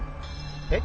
えっ？